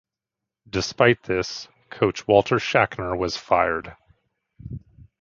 Despite this, coach Walter Schachner was fired.